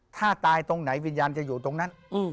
ถ้าตายตรงไหนวิญญาณจะอยู่ตรงนั้น